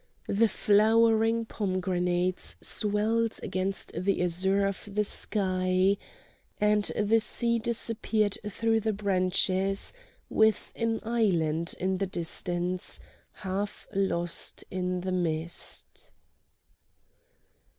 The flowering pomegranates swelled against the azure of the sky, and the sea disappeared through the branches with an island in the distance half lost in the mist.